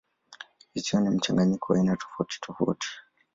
Visiwa ni mchanganyiko wa aina tofautitofauti.